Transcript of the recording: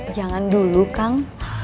jangan dulu kang